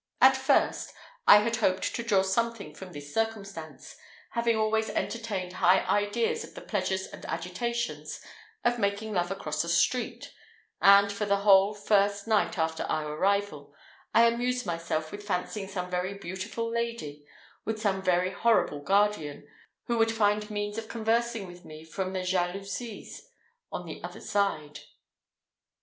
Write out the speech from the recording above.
At first, I had hoped to draw something from this circumstance, having always entertained high ideas of the pleasures and agitations of making love across a street, and for the whole first night after our arrival, I amused myself with fancying some very beautiful lady, with some very horrible guardian, who would find means of conversing with me from the jalousies on the other side.